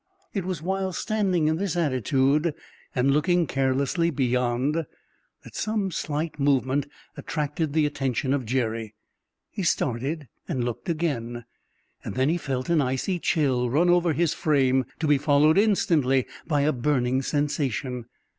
It was while standing in this attitude and looking carelessly beyond that some slight movement attracted the attention of Jerry. He started, and looked again. Then he felt an icy chill run over his frame, to be followed instantly by a burning sensation.